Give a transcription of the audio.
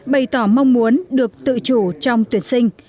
bày tỏ mong muốn được tự chủ trong tuyển sinh